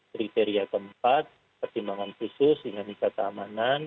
kriteria keempat pertimbangan khusus dinamika keamanan